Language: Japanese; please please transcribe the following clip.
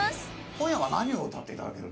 今夜は何を歌っていただける？